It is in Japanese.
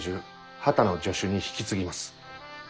波多野助手に引き継ぎます。